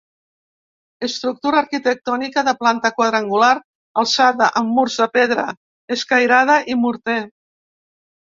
Estructura arquitectònica de planta quadrangular alçada amb murs de pedra escairada i morter.